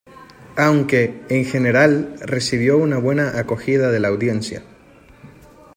Aunque, en general, recibió buena acogida en la audiencia.